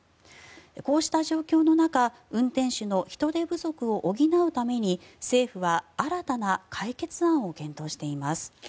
こうした状況の中運転手の人手不足を補うために政府は新たな解決案を検討しています。